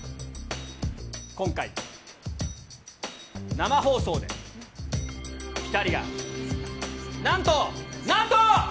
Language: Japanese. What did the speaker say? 今回、生放送で、ピタリが、なんと、なんと！